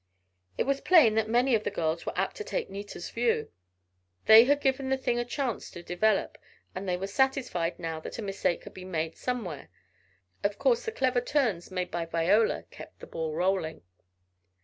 It was plain that many of the girls were apt to take Nita's view. They had given the thing a chance to develop, and they were satisfied now that a mistake had been made somewhere. Of course the clever turns made by Viola, kept "the ball rolling."